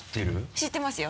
知ってますよ。